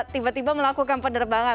tiba tiba melakukan penerbangan